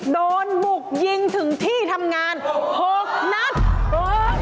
โดนบุกยิงถึงที่ทำงานหกนัด